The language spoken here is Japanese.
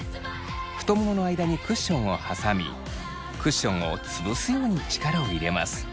太ももの間にクッションを挟みクッションを潰すように力を入れます。